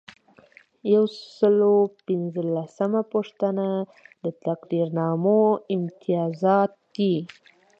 یو سل او پنځلسمه پوښتنه د تقدیرنامو امتیازات دي.